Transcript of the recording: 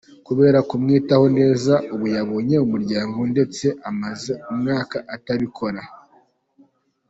Kubera kumwitaho neza ubu yabonye umuryango ndetse amaze umwaka atabikora.